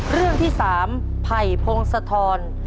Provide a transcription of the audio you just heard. เรื่องที่๓ไผ่พงศธร